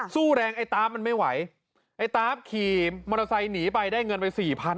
สู้แรงไอ้ตาฟมันไม่ไหวไอ้ตาฟขี่มอเตอร์ไซค์หนีไปได้เงินไปสี่พัน